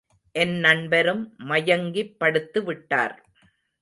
என் நண்பரும் மயங்கிப் படுத்து விட்டார்.